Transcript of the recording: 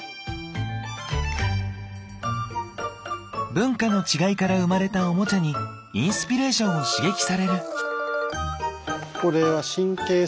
文化の違いから生まれたオモチャにインスピレーションを刺激される。